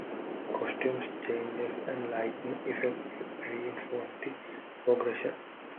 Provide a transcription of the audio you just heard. Costume changes and lighting effects reinforce the progression.